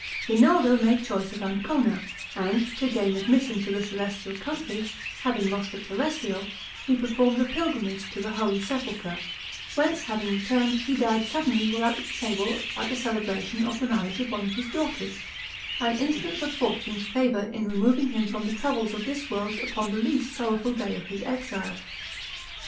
Rinaldo made choice of Ancona; and, to gain admission to the celestial country, having lost the terrestrial, he performed a pilgrimage to the holy sepulcher; whence having returned, he died suddenly while at table at the celebration of the marriage of one of his daughters; an instance of fortune's favor, in removing him from the troubles of this world upon the least sorrowful day of his exile.